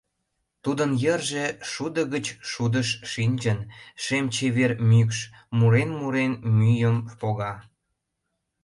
Тудын йырже, шудо гыч шудыш шинчын, шем чевер мӱкш, мурен-мурен, мӱйым пога.